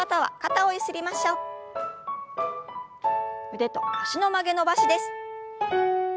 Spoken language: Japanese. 腕と脚の曲げ伸ばしです。